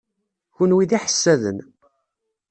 Kenwi d iḥessaden.